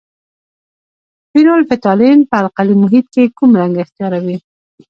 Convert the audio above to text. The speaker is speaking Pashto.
فینول فتالین په القلي محیط کې کوم رنګ اختیاروي؟